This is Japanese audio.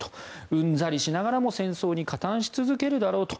うんざりしながらも戦争に加担し続けるだろうと。